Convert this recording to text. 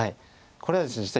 これはですね